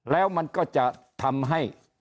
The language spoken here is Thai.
แล้วมันก็จะทำให้